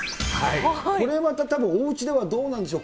これまたたぶん、おうちではどうなんでしょう。